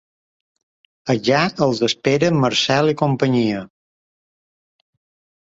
Allà els esperen Marcel i companyia.